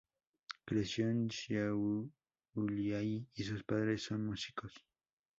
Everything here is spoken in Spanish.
Creció en Šiauliai y sus padres son músicos.